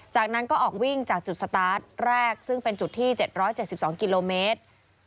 จากนั้นก็ออกวิ่งจากจุดสตาร์ทแรกซึ่งเป็นจุดที่เจ็ดร้อยเจ็ดสิบสองกิโลเมตร